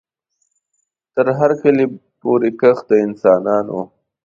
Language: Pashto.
تر هر کلي پوري کښ د انسانانو